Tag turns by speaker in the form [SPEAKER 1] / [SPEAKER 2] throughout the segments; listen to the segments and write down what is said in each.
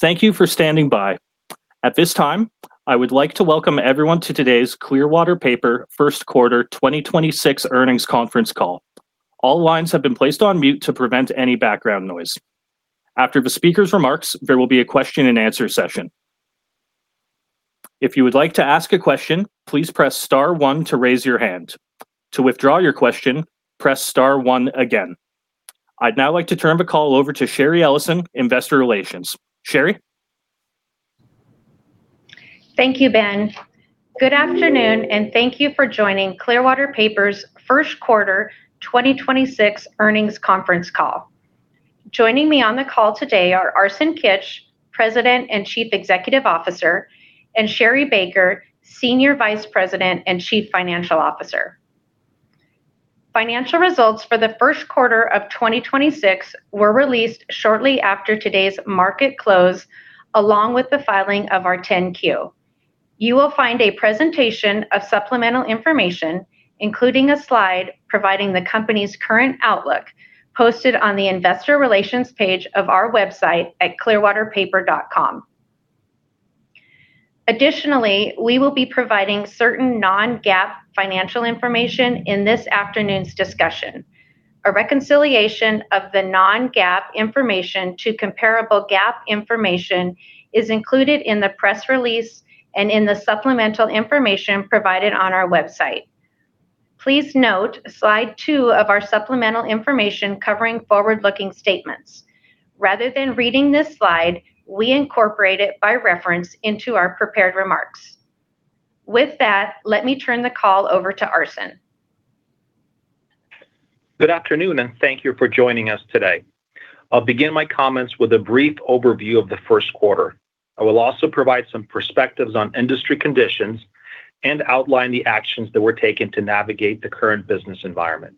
[SPEAKER 1] Thank you for standing by. At this time, I would like to welcome everyone to today's Clearwater Paper First Quarter 2026 Earnings Conference Call. All lines have been placed on mute to prevent any background noise. After the speaker's remarks, there will be a question and answer session. If you would like to ask a question, please press star one to raise your hand. To withdraw your question, press star one again. I'd now like to turn the call over to Sloan Bohlen, Investor Relations. Cheri?
[SPEAKER 2] Thank you, Ben. Good afternoon, and thank you for joining Clearwater Paper's first quarter 2026 earnings conference call. Joining me on the call today are Arsen Kitch, President and Chief Executive Officer, and Sherri Baker, Senior Vice President and Chief Financial Officer. Financial results for the first quarter of 2026 were released shortly after today's market close, along with the filing of our 10-Q. You will find a presentation of supplemental information, including a slide providing the Company's current outlook, posted on the investor relations page of our website at clearwaterpaper.com. Additionally, we will be providing certain non-GAAP financial information in this afternoon's discussion. A reconciliation of the non-GAAP information to comparable GAAP information is included in the press release and in the supplemental information provided on our website. Please note slide 2 of our supplemental information covering forward-looking statements. Rather than reading this slide, we incorporate it by reference into our prepared remarks. With that, let me turn the call over to Arsen.
[SPEAKER 3] Good afternoon. Thank you for joining us today. I'll begin my comments with a brief overview of the first quarter. I will also provide some perspectives on industry conditions and outline the actions that were taken to navigate the current business environment.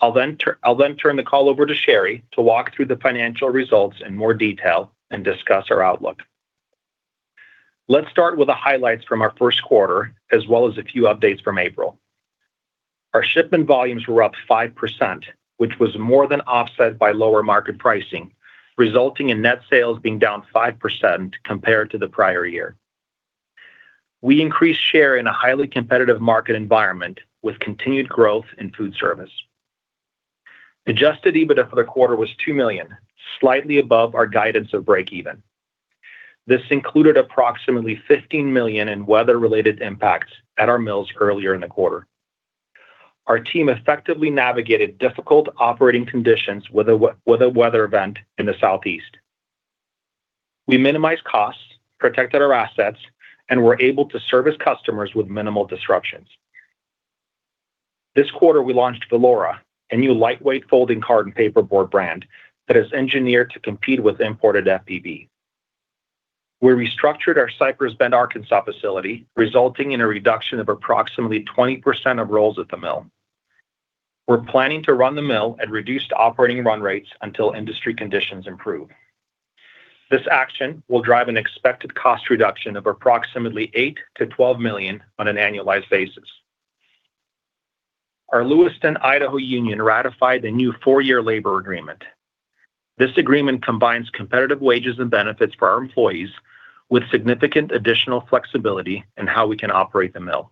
[SPEAKER 3] I'll then turn the call over to Sherri Baker to walk through the financial results in more detail and discuss our outlook. Let's start with the highlights from our first quarter, as well as a few updates from April. Our shipment volumes were up 5%, which was more than offset by lower market pricing, resulting in net sales being down 5% compared to the prior year. We increased share in a highly competitive market environment with continued growth in food service. Adjusted EBITDA for the quarter was $2 million, slightly above our guidance of break even. This included approximately $15 million in weather-related impacts at our mills earlier in the quarter. Our team effectively navigated difficult operating conditions with a weather event in the Southeast. We minimized costs, protected our assets, and were able to service customers with minimal disruptions. This quarter, we launched Velora, a new lightweight folding carton paperboard brand that is engineered to compete with imported FBB. We restructured our Cypress Bend, Arkansas facility, resulting in a reduction of approximately 20% of rolls at the mill. We're planning to run the mill at reduced operating run rates until industry conditions improve. This action will drive an expected cost reduction of approximately $8 million-$12 million on an annualized basis. Our Lewiston, Idaho union ratified a new four-year labor agreement. This agreement combines competitive wages and benefits for our employees with significant additional flexibility in how we can operate the mill.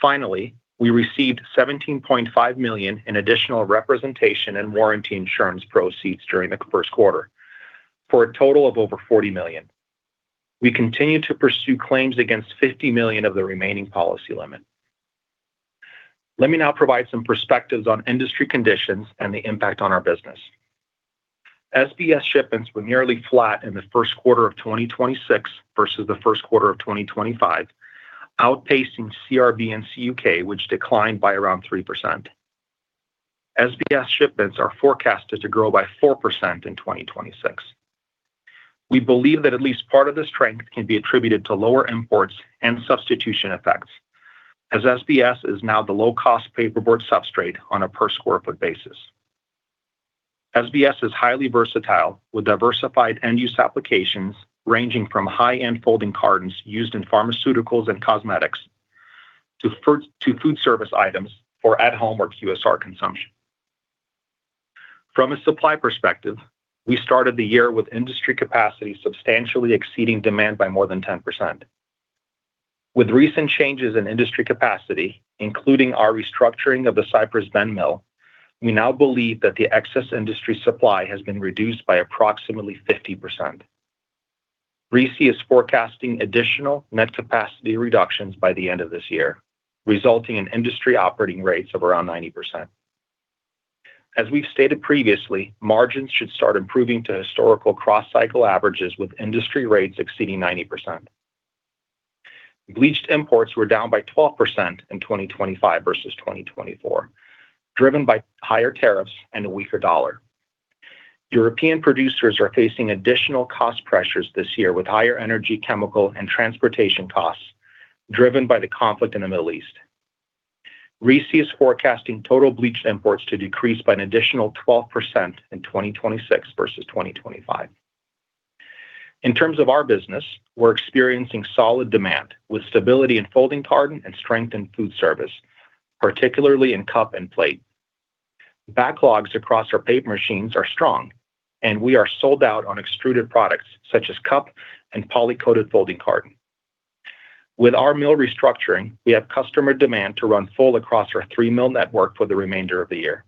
[SPEAKER 3] Finally, we received $17.5 million in additional representation and warranty insurance proceeds during the first quarter, for a total of over $40 million. We continue to pursue claims against $50 million of the remaining policy limit. Let me now provide some perspectives on industry conditions and the impact on our business. SBS shipments were nearly flat in the first quarter of 2026 versus the first quarter of 2025, outpacing CRB and CUK, which declined by around 3%. SBS shipments are forecasted to grow by 4% in 2026. We believe that at least part of the strength can be attributed to lower imports and substitution effects, as SBS is now the low-cost paperboard substrate on a per square foot basis. SBS is highly versatile, with diversified end-use applications ranging from high-end folding cartons used in pharmaceuticals and cosmetics to food, to food service items for at-home or QSR consumption. From a supply perspective, we started the year with industry capacity substantially exceeding demand by more than 10%. With recent changes in industry capacity, including our restructuring of the Cypress Bend mill, we now believe that the excess industry supply has been reduced by approximately 50%. RISI is forecasting additional net capacity reductions by the end of this year, resulting in industry operating rates of around 90%. As we've stated previously, margins should start improving to historical cross-cycle averages with industry rates exceeding 90%. Bleached imports were down by 12% in 2025 versus 2024, driven by higher tariffs and a weaker dollar. European producers are facing additional cost pressures this year with higher energy, chemical, and transportation costs driven by the conflict in the Middle East. RISI is forecasting total bleached imports to decrease by an additional 12% in 2026 versus 2025. In terms of our business, we're experiencing solid demand with stability in folding carton and strength in food service, particularly in cup and plate. Backlogs across our paper machines are strong, and we are sold out on extruded products such as cup and poly-coated folding carton. With our mill restructuring, we have customer demand to run full across our three mill network for the remainder of the year.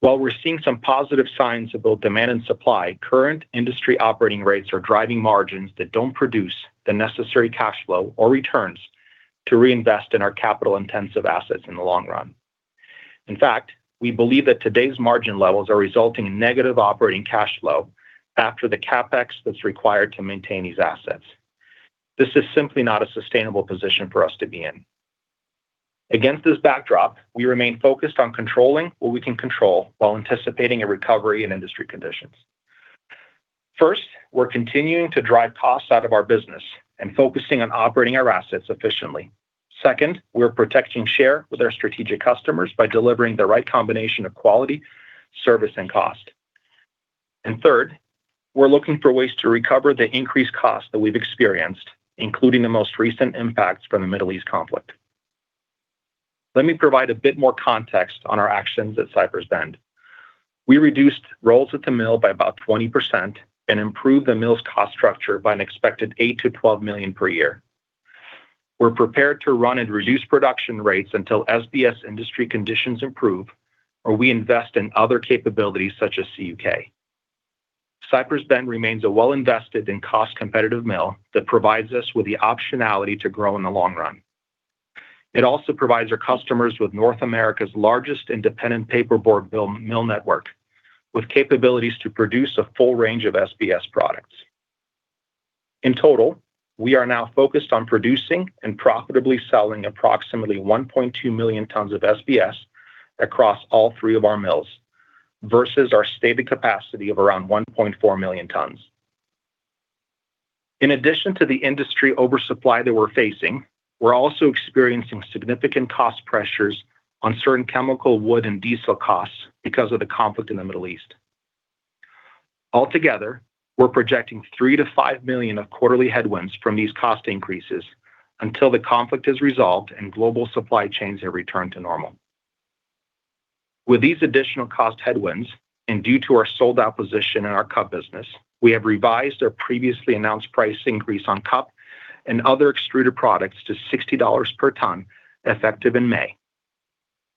[SPEAKER 3] While we're seeing some positive signs of both demand and supply, current industry operating rates are driving margins that don't produce the necessary cash flow or returns to reinvest in our capital-intensive assets in the long run. In fact, we believe that today's margin levels are resulting in negative operating cash flow after the CapEx that's required to maintain these assets. This is simply not a sustainable position for us to be in. Against this backdrop, we remain focused on controlling what we can control while anticipating a recovery in industry conditions. First, we're continuing to drive costs out of our business and focusing on operating our assets efficiently. Second, we're protecting share with our strategic customers by delivering the right combination of quality, service, and cost. Third, we're looking for ways to recover the increased cost that we've experienced, including the most recent impacts from the Middle East conflict. Let me provide a bit more context on our actions at Cypress Bend. We reduced rolls at the mill by about 20% and improved the mill's cost structure by an expected $8 million-$12 million per year. We're prepared to run at reduced production rates until SBS industry conditions improve, or we invest in other capabilities such as CUK. Cypress Bend remains a well-invested and cost-competitive mill that provides us with the optionality to grow in the long run. It also provides our customers with North America's largest independent paperboard mill network with capabilities to produce a full range of SBS products. In total, we are now focused on producing and profitably selling approximately 1.2 million tons of SBS across all three of our mills versus our stated capacity of around 1.4 million tons. In addition to the industry oversupply that we're facing, we're also experiencing significant cost pressures on certain chemical, wood, and diesel costs because of the conflict in the Middle East. Altogether, we're projecting $3 million-$5 million of quarterly headwinds from these cost increases until the conflict is resolved and global supply chains have returned to normal. With these additional cost headwinds, and due to our sold-out position in our cup business, we have revised our previously announced price increase on cup and other extruded products to $60 per ton, effective in May.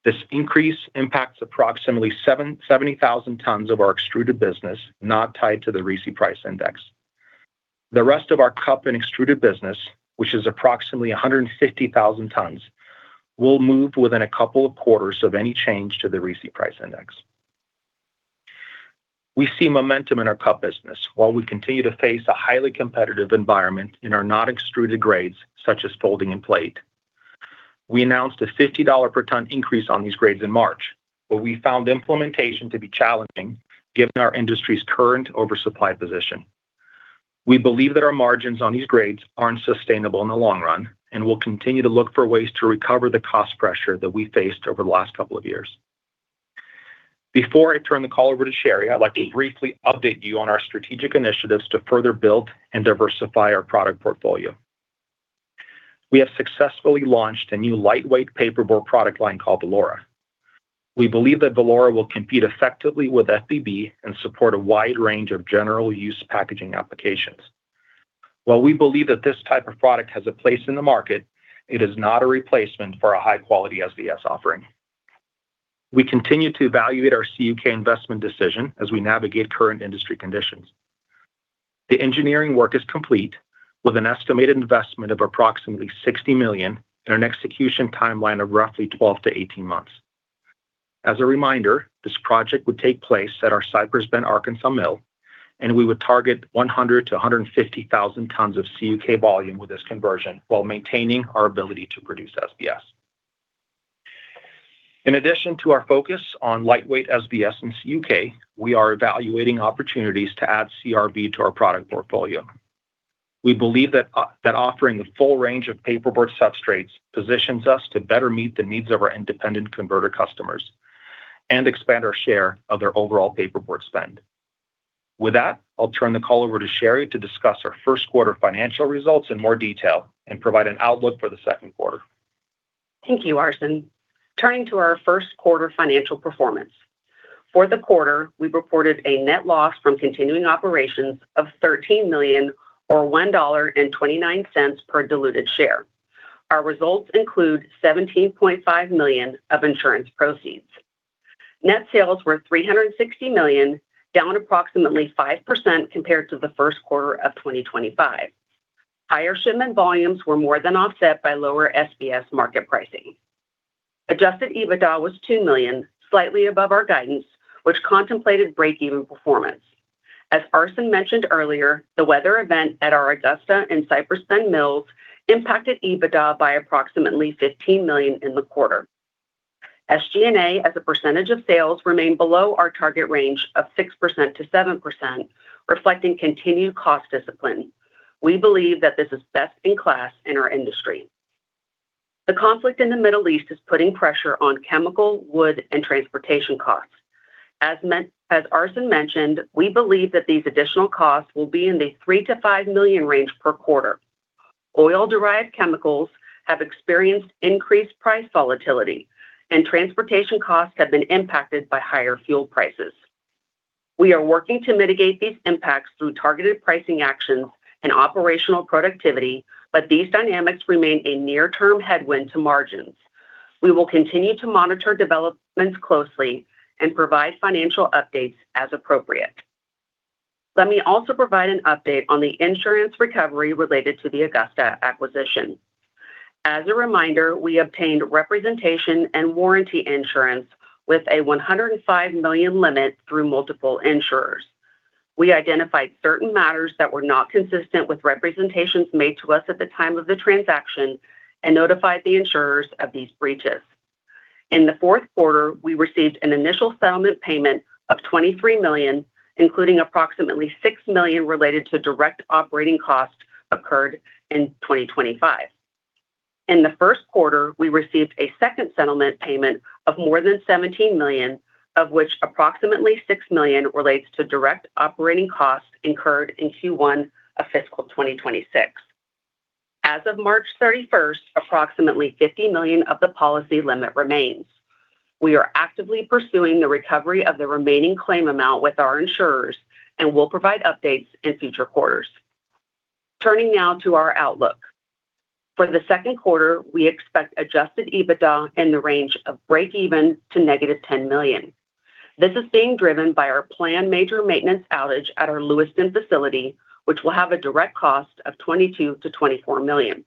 [SPEAKER 3] This increase impacts approximately 70,000 tons of our extruded business not tied to the RISI price index. The rest of our cup and extruded business, which is approximately 150,000 tons, will move within a couple of quarters of any change to the RISI price index. We see momentum in our cup business while we continue to face a highly competitive environment in our not extruded grades, such as folding and plate. We announced a $50 per ton increase on these grades in March. We found implementation to be challenging given our industry's current oversupply position. We believe that our margins on these grades aren't sustainable in the long run and will continue to look for ways to recover the cost pressure that we faced over the last couple of years. Before I turn the call over to Sherri Baker, I'd like to briefly update you on our strategic initiatives to further build and diversify our product portfolio. We have successfully launched a new lightweight paperboard product line called Velora. We believe that Velora will compete effectively with FBB and support a wide range of general use packaging applications. While we believe that this type of product has a place in the market, it is not a replacement for our high-quality SBS offering. We continue to evaluate our CUK investment decision as we navigate current industry conditions. The engineering work is complete with an estimated investment of approximately $60 million and an execution timeline of roughly 12-18 months. As a reminder, this project would take place at our Cypress Bend, Arkansas mill, and we would target 100,000-150,000 tons of CUK volume with this conversion while maintaining our ability to produce SBS. In addition to our focus on lightweight SBS and CUK, we are evaluating opportunities to add CRB to our product portfolio. We believe that offering the full range of paperboard substrates positions us to better meet the needs of our independent converter customers and expand our share of their overall paperboard spend. With that, I'll turn the call over to Sherri to discuss our first quarter financial results in more detail and provide an outlook for the second quarter.
[SPEAKER 4] Thank you, Arsen. Turning to our first quarter financial performance. For the quarter, we reported a net loss from continuing operations of $13 million or $1.29 per diluted share. Our results include $17.5 million of insurance proceeds. Net sales were $360 million, down approximately 5% compared to the first quarter of 2025. Higher shipment volumes were more than offset by lower SBS market pricing. Adjusted EBITDA was $2 million, slightly above our guidance, which contemplated break-even performance. As Arsen mentioned earlier, the weather event at our Augusta and Cypress Bend mills impacted EBITDA by approximately $15 million in the quarter. SG&A, as a percentage of sales, remained below our target range of 6%-7%, reflecting continued cost discipline. We believe that this is best in class in our industry. The conflict in the Middle East is putting pressure on chemical, wood, and transportation costs. As Arsen mentioned, we believe that these additional costs will be in the $3 million-$5 million range per quarter. Oil-derived chemicals have experienced increased price volatility, and transportation costs have been impacted by higher fuel prices. We are working to mitigate these impacts through targeted pricing actions and operational productivity, but these dynamics remain a near-term headwind to margins. We will continue to monitor developments closely and provide financial updates as appropriate. Let me also provide an update on the insurance recovery related to the Augusta acquisition. As a reminder, we obtained representation and warranty insurance with a $105 million limit through multiple insurers. We identified certain matters that were not consistent with representations made to us at the time of the transaction and notified the insurers of these breaches. In the fourth quarter, we received an initial settlement payment of $23 million, including approximately $6 million related to direct operating costs incurred in 2025. In the first quarter, we received a second settlement payment of more than $17 million, of which approximately $6 million relates to direct operating costs incurred in Q1 of fiscal 2026. As of March 31st, approximately $50 million of the policy limit remains. We are actively pursuing the recovery of the remaining claim amount with our insurers and will provide updates in future quarters. Turning now to our outlook. For the second quarter, we expect adjusted EBITDA in the range of breakeven to negative $10 million. This is being driven by our planned major maintenance outage at our Lewiston facility, which will have a direct cost of $22 million-$24 million.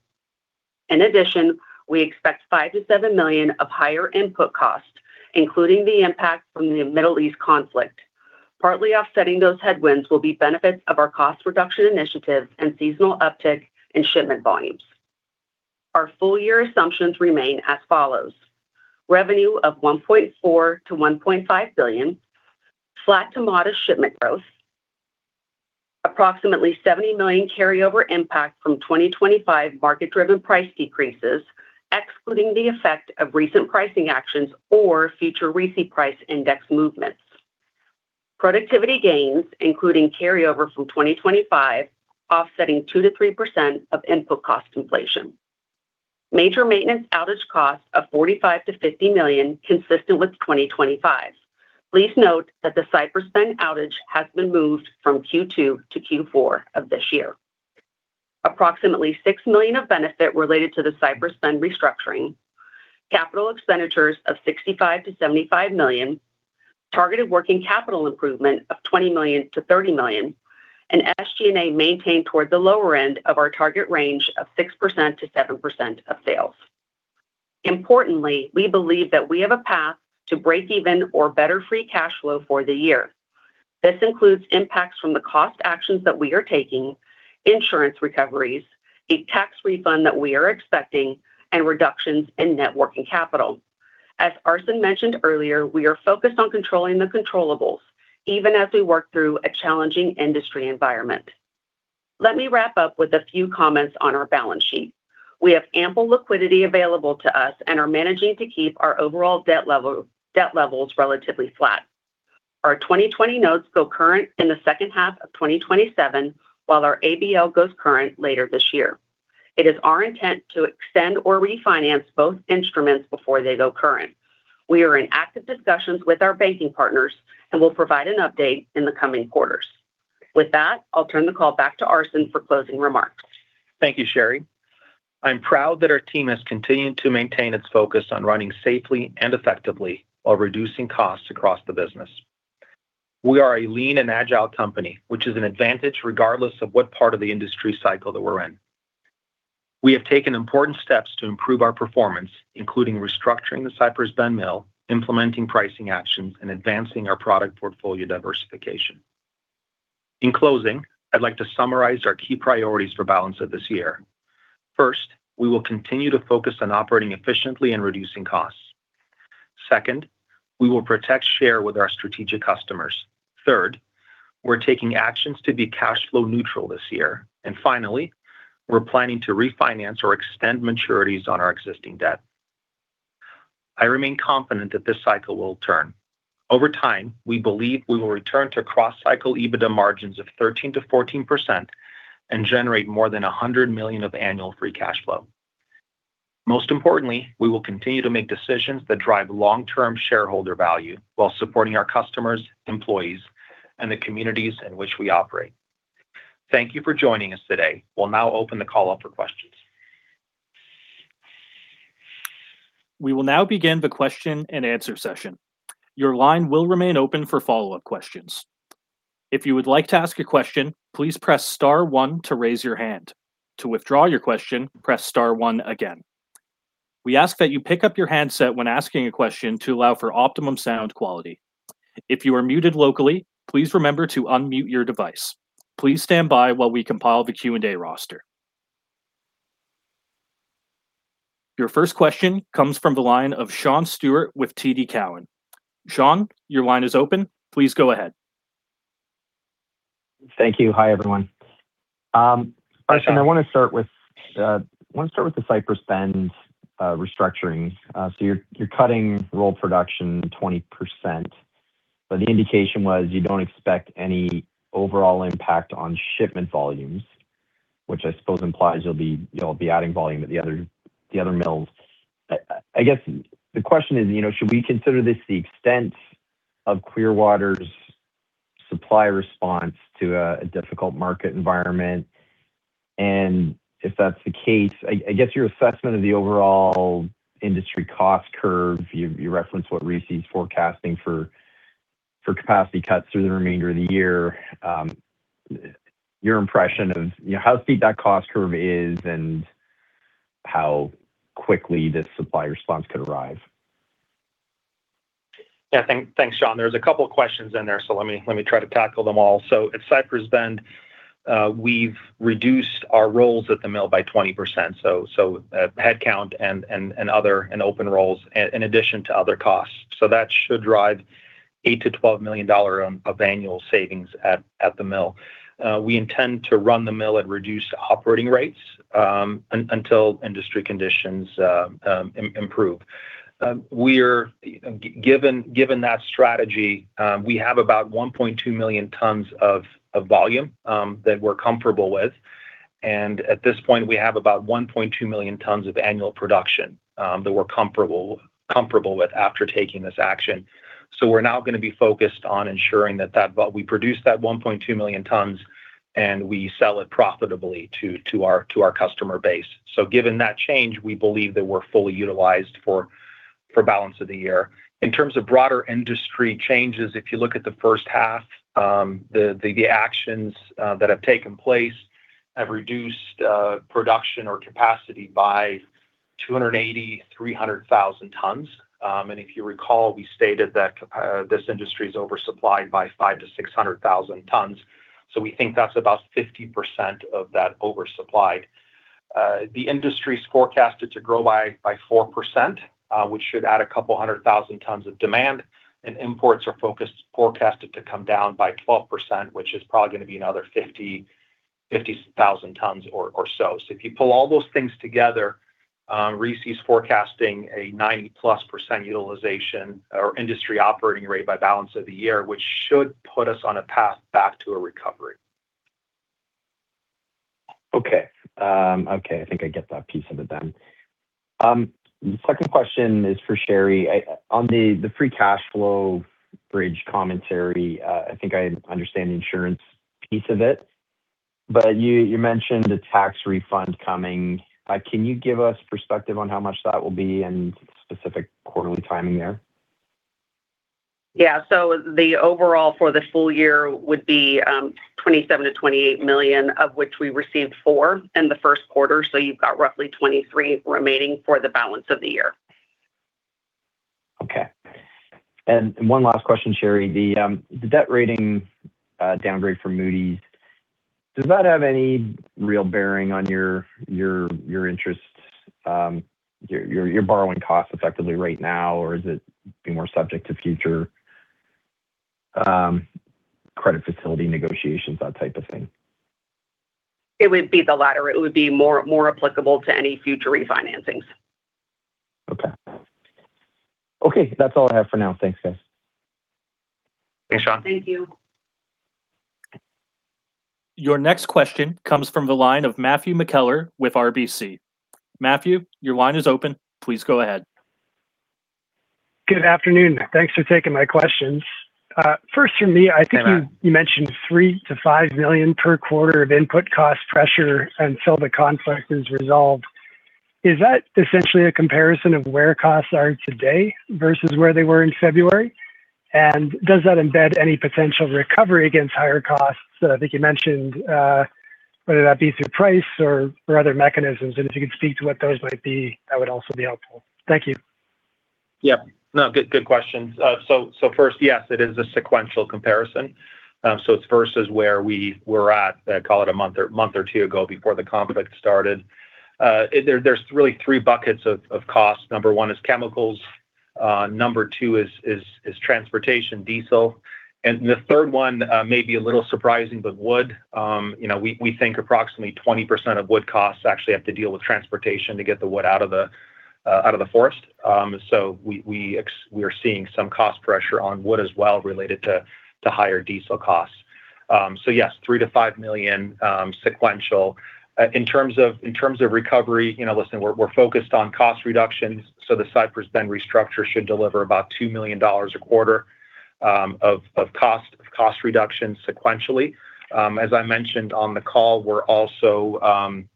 [SPEAKER 4] We expect $5 million-$7 million of higher input costs, including the impact from the Middle East conflict. Partly offsetting those headwinds will be benefits of our cost reduction initiatives and seasonal uptick in shipment volumes. Our full year assumptions remain as follows: Revenue of $1.4 billion-$1.5 billion. Flat to modest shipment growth. Approximately $70 million carryover impact from 2025 market-driven price decreases, excluding the effect of recent pricing actions or future RISI price index movements. Productivity gains, including carryover from 2025, offsetting 2%-3% of input cost inflation. Major maintenance outage costs of $45 million-$50 million consistent with 2025. Please note that the Cypress Bend outage has been moved from Q2 to Q4 of this year. Approximately $6 million of benefit related to the Cypress Bend restructuring. Capital expenditures of $65 million-$75 million. Targeted working capital improvement of $20 million-$30 million. SG&A maintained toward the lower end of our target range of 6%-7% of sales. Importantly, we believe that we have a path to break even or better free cash flow for the year. This includes impacts from the cost actions that we are taking, insurance recoveries, a tax refund that we are expecting, and reductions in net working capital. As Arsen mentioned earlier, we are focused on controlling the controllables, even as we work through a challenging industry environment. Let me wrap up with a few comments on our balance sheet. We have ample liquidity available to us and are managing to keep our overall debt levels relatively flat. Our 2020 notes go current in the second half of 2027, while our ABL goes current later this year. It is our intent to extend or refinance both instruments before they go current. We are in active discussions with our banking partners and will provide an update in the coming quarters. With that, I'll turn the call back to Arsen for closing remarks.
[SPEAKER 3] Thank you, Sherri. I'm proud that our team has continued to maintain its focus on running safely and effectively while reducing costs across the business. We are a lean and agile company, which is an advantage regardless of what part of the industry cycle that we're in. We have taken important steps to improve our performance, including restructuring the Cypress Bend Mill, implementing pricing actions, and advancing our product portfolio diversification. In closing, I'd like to summarize our key priorities for balance of this year. First, we will continue to focus on operating efficiently and reducing costs. Second, we will protect share with our strategic customers. Third, we're taking actions to be cash flow neutral this year. Finally, we're planning to refinance or extend maturities on our existing debt. I remain confident that this cycle will turn. Over time, we believe we will return to cross-cycle EBITDA margins of 13%-14% and generate more than $100 million of annual free cash flow. Most importantly, we will continue to make decisions that drive long-term shareholder value while supporting our customers, employees, and the communities in which we operate. Thank you for joining us today. We'll now open the call up for questions.
[SPEAKER 1] We will now begin the question and answer session. Your line will remain open for follow-up questions. If you would like to ask a question, please press star one to raise your hand. To withdraw your question, press star one again. We ask that you pick up your handset when asking a question to allow for optimum sound quality. If you are muted locally, please remember to unmute your device. Please stand by while we compile the Q&A roster. Your first question comes from the line of Sean Steuart with TD Cowen. Sean, your line is open. Please go ahead.
[SPEAKER 5] Thank you. Hi, everyone. Arsen, I wanna start with the Cypress Bend restructuring. You're cutting roll production 20%. The indication was you don't expect any overall impact on shipment volumes, which I suppose implies you'll be adding volume to the other, the other mills. I guess the question is, you know, should we consider this the extent of Clearwater's supply response to a difficult market environment? If that's the case, I guess your assessment of the overall industry cost curve, you referenced what RISI is forecasting for capacity cuts through the remainder of the year. Your impression of, you know, how steep that cost curve is and how quickly the supply response could arrive.
[SPEAKER 3] Thanks, Sean. There's a couple questions in there. Let me try to tackle them all. At Cypress Bend, we've reduced our roles at the mill by 20%. Headcount and other, and open roles in addition to other costs. That should drive $8 million-$12 million of annual savings at the mill. We intend to run the mill at reduced operating rates until industry conditions improve. Given that strategy, we have about 1.2 million tons of volume that we're comfortable with. At this point, we have about 1.2 million tons of annual production that we're comparable with after taking this action. We're now going to be focused on ensuring that we produce that 1.2 million tons and we sell it profitably to our customer base. Given that change, we believe that we're fully utilized for balance of the year. In terms of broader industry changes, if you look at the first half, the actions that have taken place have reduced production or capacity by 280,000-300,000 tons. And if you recall, we stated that this industry is over-supplied by 500,000-600,000 tons. We think that's about 50% of that over-supplied. The industry is forecasted to grow by 4%, which should add a couple hundred thousand tons of demand. Imports are forecasted to come down by 12%, which is probably gonna be another 50,000 tons or so. If you pull all those things together, RISI is forecasting a 90-plus percent utilization or industry operating rate by balance of the year, which should put us on a path back to a recovery.
[SPEAKER 5] Okay. Okay, I think I get that piece of it. Second question is for Sherri. On the free cash flow bridge commentary, I think I understand the insurance piece of it. You mentioned a tax refund coming. Can you give us perspective on how much that will be and specific quarterly timing there?
[SPEAKER 4] Yeah. The overall for the full year would be, $27 million-$28 million, of which we received $4 million in the first quarter. You've got roughly $23 million remaining for the balance of the year.
[SPEAKER 5] Okay. One last question, Sherri. The debt rating downgrade from Moody's, does that have any real bearing on your interest, your borrowing costs effectively right now? Or is it be more subject to future credit facility negotiations, that type of thing?
[SPEAKER 4] It would be the latter. It would be more applicable to any future refinancings.
[SPEAKER 5] Okay. Okay, that's all I have for now. Thanks, guys.
[SPEAKER 4] Thanks, Sean. Thank you.
[SPEAKER 1] Your next question comes from the line of Matthew McKellar with RBC. Matthew, your line is open. Please go ahead.
[SPEAKER 6] Good afternoon. Thanks for taking my questions.
[SPEAKER 3] Hey, Matt.
[SPEAKER 6] I think you mentioned $3 million-$5 million per quarter of input cost pressure until the conflict is resolved. Is that essentially a comparison of where costs are today versus where they were in February? Does that embed any potential recovery against higher costs that I think you mentioned, whether that be through price or other mechanisms? If you could speak to what those might be, that would also be helpful. Thank you.
[SPEAKER 3] Yeah. No, good questions. First, yes, it is a sequential comparison. It's versus where we were at, call it a month or two ago before the conflict started. There's really three buckets of costs. Number one is chemicals. Number two is transportation, diesel. The third one may be a little surprising, but wood. You know, we think approximately 20% of wood costs actually have to deal with transportation to get the wood out of the forest. We are seeing some cost pressure on wood as well related to higher diesel costs. Yes, $3 million-$5 million sequential. In terms of recovery, you know, listen, we're focused on cost reductions, so the Cypress Bend restructure should deliver about $2 million a quarter of cost reduction sequentially. As I mentioned on the call, we're also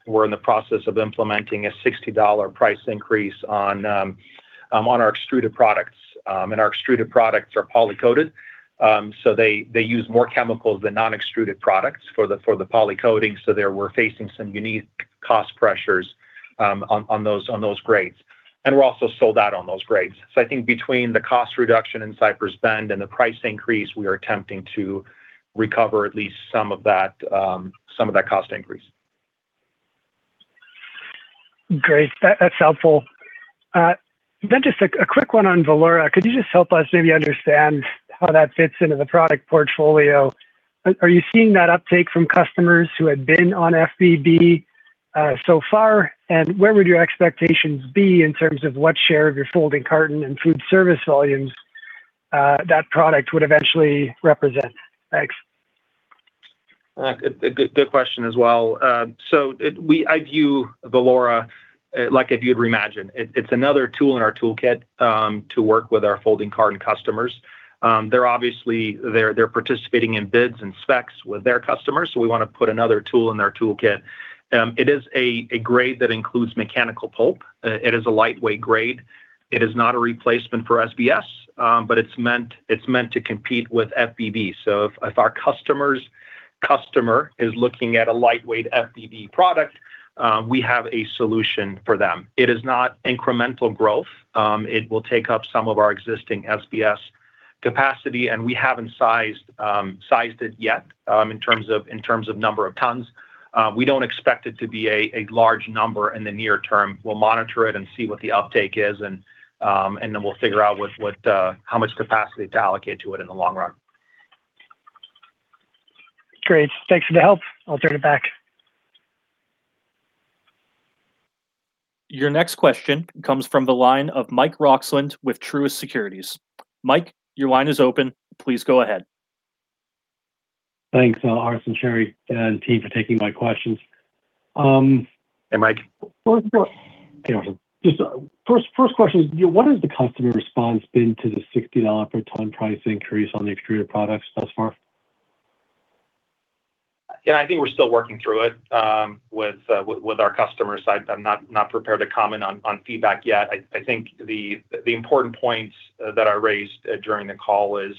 [SPEAKER 3] in the process of implementing a $60 price increase on our extruded products. Our extruded products are poly-coated. They use more chemicals than non-extruded products for the poly-coating, so there we're facing some unique cost pressures on those grades. We're also sold out on those grades. I think between the cost reduction in Cypress Bend and the price increase, we are attempting to recover at least some of that cost increase.
[SPEAKER 6] Great. That, that's helpful. Then just a quick one on Velora. Could you just help us maybe understand how that fits into the product portfolio? Are you seeing that uptake from customers who had been on FBB so far, and where would your expectations be in terms of what share of your folding carton and food service volumes that product would eventually represent? Thanks.
[SPEAKER 3] Good question as well. I view Velora, like if you'd reimagine. It, it's another tool in our toolkit, to work with our folding carton customers. They're obviously, they're participating in bids and specs with their customers, so we wanna put another tool in their toolkit. It is a grade that includes mechanical pulp. It is a lightweight grade. It is not a replacement for SBS, but it's meant to compete with FBB. If our customer's customer is looking at a lightweight FBB product, we have a solution for them. It is not incremental growth. It will take up some of our existing SBS capacity, and we haven't sized it yet, in terms of number of tons. We don't expect it to be a large number in the near term. We'll monitor it and see what the uptake is and then we'll figure out how much capacity to allocate to it in the long run.
[SPEAKER 6] Great. Thanks for the help. I'll turn it back.
[SPEAKER 1] Your next question comes from the line of Mike Roxland with Truist Securities. Mike, your line is open. Please go ahead.
[SPEAKER 7] Thanks, Arsen and Sherri and team for taking my questions.
[SPEAKER 3] Hey, Mike.
[SPEAKER 7] Hey, Arsen. Just, first question is, you know, what has the customer response been to the $60 per ton price increase on the extruded products thus far?
[SPEAKER 3] Yeah, I think we're still working through it with our customers. I'm not prepared to comment on feedback yet. I think the important points that I raised during the call is,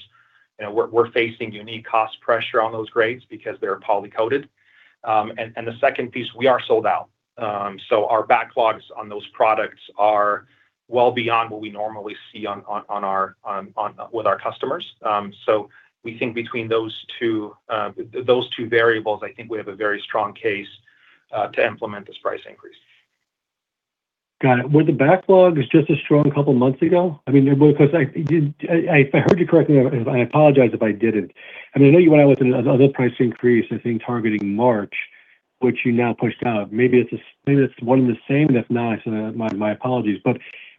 [SPEAKER 3] you know, we're facing unique cost pressure on those grades because they're poly-coated. The second piece, we are sold out. Our backlogs on those products are well beyond what we normally see on our with our customers. We think between those two variables, I think we have a very strong case to implement this price increase.
[SPEAKER 7] Got it. Were the backlogs just as strong a couple months ago? I mean, because I, if I heard you correctly, I apologize if I didn't. I mean, I know you went out with another price increase, I think, targeting March, which you now pushed out. Maybe it's the same. It's one and the same. If not, my apologies.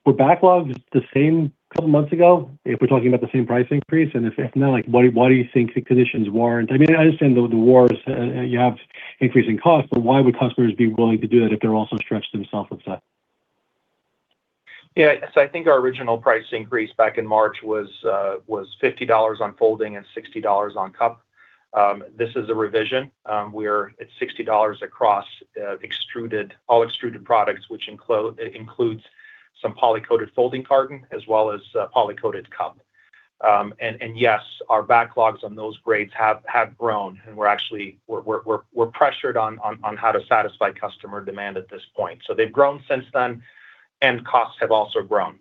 [SPEAKER 7] Were backlogs the same a couple months ago, if we're talking about the same price increase? If not, like, why do you think the conditions warrant? I mean, I understand the wars, you have increasing costs, why would customers be willing to do that if they're also stretched themselves with that?
[SPEAKER 3] I think our original price increase back in March was $50 on folding and $60 on cup. This is a revision. We're at $60 across extruded, all extruded products, which includes some poly-coated folding carton as well as poly-coated cup. Yes, our backlogs on those grades have grown, and we're actually pressured on how to satisfy customer demand at this point. They've grown since then, and costs have also grown.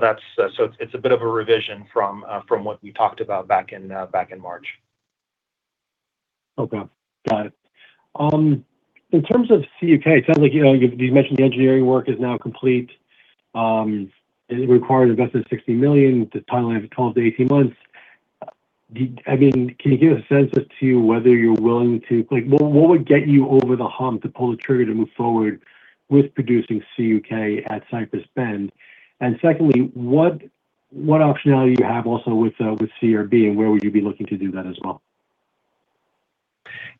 [SPEAKER 3] That's, so it's a bit of a revision from what we talked about back in March.
[SPEAKER 7] Okay. Got it. In terms of CUK, it sounds like, you know, you've, you mentioned the engineering work is now complete. It required an investment of $60 million, the timeline of 12 to 18 months. I mean, can you give a sense as to whether you're willing to Like, what would get you over the hump to pull the trigger to move forward with producing CUK at Cypress Bend? Secondly, what optionality do you have also with, anCRBd where would you be looking to do that as well?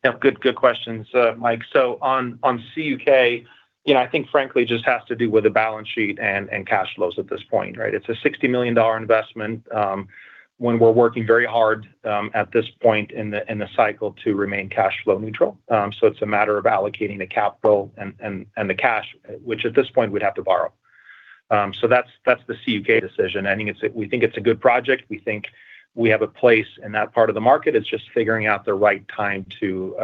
[SPEAKER 3] Yeah. Good, good questions, Mike. On, on CUK, you know, I think frankly just has to do with the balance sheet and cash flows at this point, right? It's a $60 million investment, when we're working very hard at this point in the cycle to remain cash flow neutral. It's a matter of allocating the capital and the cash, which at this point we'd have to borrow. That's, that's the CUK decision. We think it's a good project. We think we have a place in that part of the market. It's just figuring out the right time to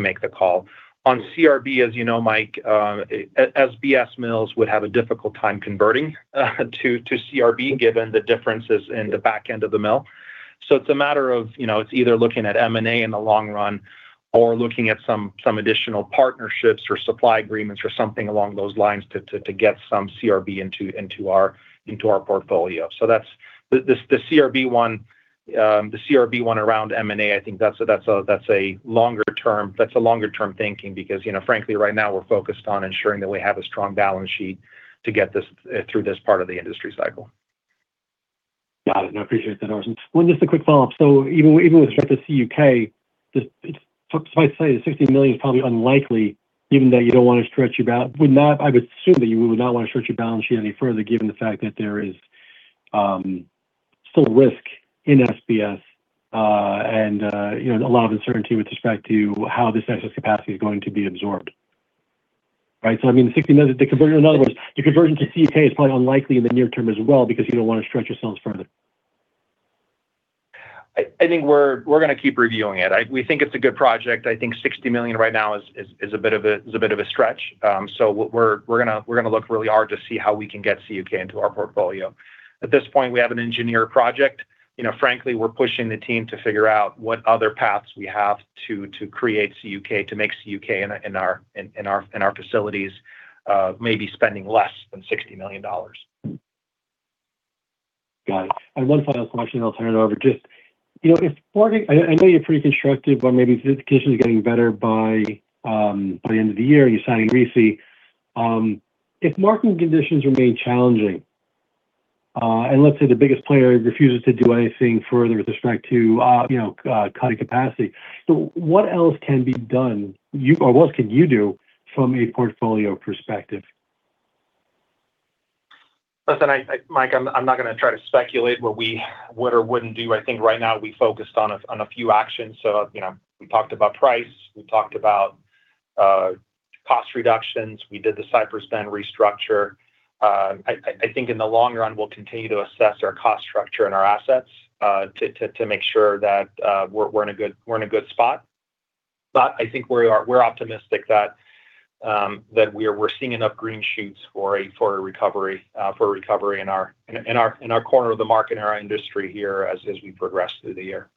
[SPEAKER 3] make the call. On CRB, as you know, Mike, SBS mills would have a difficult time converting to CRB, given the differences in the back end of the mill. It's a matter of, you know, it's either looking at M&A in the long run or looking at some additional partnerships or supply agreements or something along those lines to get some CRB into our portfolio. The CRB one around M&A, I think that's a longer-term thinking because, you know, frankly, right now we're focused on ensuring that we have a strong balance sheet to get this through this part of the industry cycle.
[SPEAKER 7] Got it. No, I appreciate that, Ars. One, just a quick follow-up. Even with respect to CUK, if I say the $60 million is probably unlikely, given that you don't want to stretch your balance sheet any further, given the fact that there is still risk in SBS, and you know, a lot of uncertainty with respect to how this excess capacity is going to be absorbed. Right? I mean, the $60 million, the conversion, in other words, the conversion to CUK is probably unlikely in the near term as well because you don't want to stretch yourselves further.
[SPEAKER 3] I think we're gonna keep reviewing it. We think it's a good project. I think $60 million right now is a bit of a stretch. We're gonna look really hard to see how we can get CUK into our portfolio. At this point, we have an engineer project. You know, frankly, we're pushing the team to figure out what other paths we have to create CUK, to make CUK in our facilities, maybe spending less than $60 million.
[SPEAKER 7] Got it. One final question, I'll turn it over. You know, I know you're pretty constructive, but maybe if the situation is getting better by the end of the year, you're seeing easing. If market conditions remain challenging, and let's say the biggest player refuses to do anything further with respect to, you know, cutting capacity. What else can be done or what can you do from a portfolio perspective?
[SPEAKER 3] Listen, Mike, I'm not gonna try to speculate what we would or wouldn't do. I think right now we focused on a few actions. You know, we talked about price, we talked about cost reductions. We did the Cypress Bend restructure. I think in the long run, we'll continue to assess our cost structure and our assets to make sure that we're in a good spot. I think we're optimistic that we're seeing enough green shoots for a recovery in our corner of the market and our industry here as we progress through the year.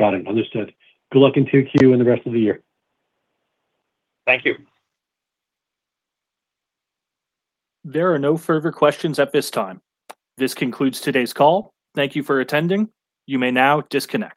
[SPEAKER 7] Got it. Understood. Good luck in 2Q and the rest of the year.
[SPEAKER 3] Thank you.
[SPEAKER 1] There are no further questions at this time. This concludes today's call. Thank you for attending. You may now disconnect.